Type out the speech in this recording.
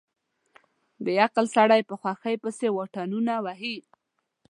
بې عقل سړی په خوښۍ پسې واټنونه وهي.